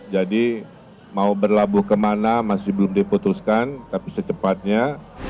jadi mau berlabuh kemana masih belum diputuskan tapi secepatnya